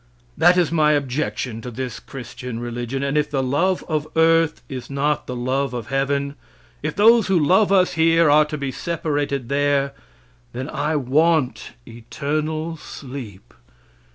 That is my objection to this Christian religion, and if the love of earth is not the love of heaven, if those who love us here are to be separated there, then I want eternal sleep.